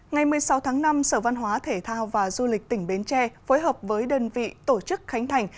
ngày một mươi sáu tháng năm sở văn hóa thể thao và du lịch tỉnh bến tre phối hợp với đơn vị tổ chức khánh thành